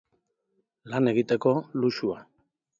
Lan egiteko, luxua.